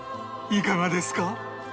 いかがですか？